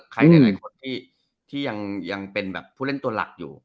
ใครหลายคนที่ยังเป็นแบบผู้เล่นตัวหลักอยู่